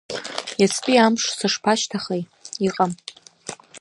Иацтәи амш сышԥашьҭахеи, иҟам…